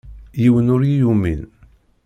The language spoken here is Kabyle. Yiwen ur yi-yumin.